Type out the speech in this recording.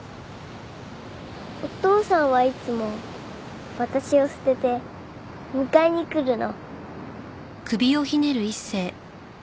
お父さんはいつも私を捨てて迎えに来るの。